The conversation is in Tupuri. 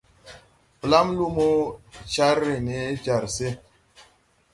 Blam luumo, car re ne jàr se.